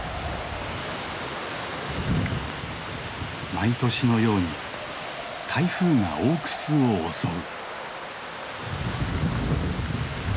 毎年のように台風が大クスを襲う。